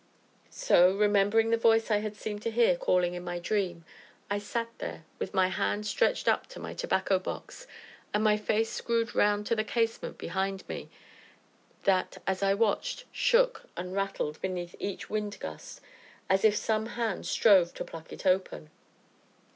So, remembering the voice I had seemed to hear calling in my dream, I sat there with my hand stretched up to my tobacco box, and my face screwed round to the casement behind me, that, as I watched, shook and rattled beneath each wind gust, as if some hand strove to pluck it open.